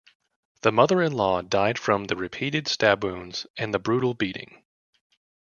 The mother in-law died from the repeated stab wounds and the brutal beating.